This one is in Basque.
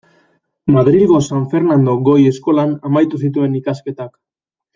Madrilgo San Fernando Goi Eskolan amaitu zituen ikasketak.